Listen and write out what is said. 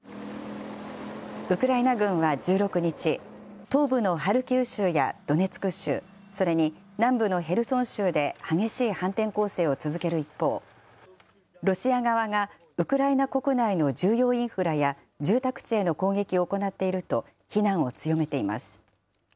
ウクライナ軍は１６日、東部のハルキウ州やドネツク州、それに南部のヘルソン州で激しい反転攻勢を続ける一方、ロシア側が、ウクライナ国内の重要インフラや住宅地への攻撃を行っていると、非難を強めています。